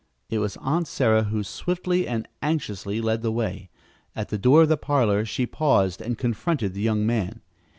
It was Aunt Sarah who swiftly and anxiously led the way. At the door of the parlor she paused and confronted the young man.